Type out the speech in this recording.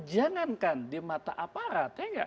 jangankan di mata aparat